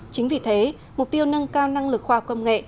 chính vì thế mục tiêu nâng cao năng lực khoa học công nghệ